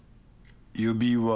指輪